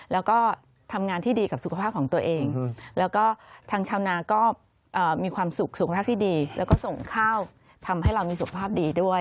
แล้วก็ทำงานที่ดีกับสุขภาพของตัวเองแล้วก็ทางชาวนาก็มีความสุขสุขภาพที่ดีแล้วก็ส่งข้าวทำให้เรามีสุขภาพดีด้วย